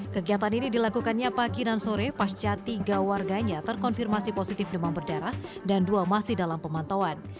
kegiatan ini dilakukannya pagi dan sore pasca tiga warganya terkonfirmasi positif demam berdarah dan dua masih dalam pemantauan